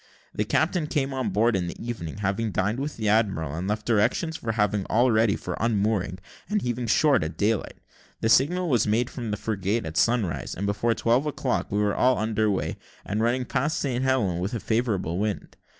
The captain came on board in the evening, having dined with the admiral, and left directions for having all ready for unmooring and heaving short at daylight. The signal was made from the frigate at sunrise, and before twelve o'clock we were all under weigh, and running past St. Helen's with a favourable wind.